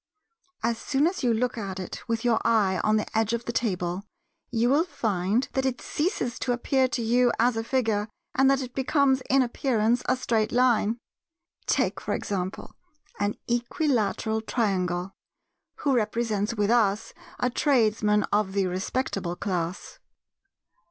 As soon as you look at it with your eye on the edge of the table, you will find that it ceases to appear to you as a figure, and that it becomes in appearance a straight line. Take for example an equilateral Triangle—who represents with us a Tradesman of the respectable class.